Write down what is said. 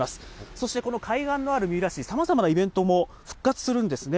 そしてこの海岸のある三浦市、さまざまなイベントも復活するんですね。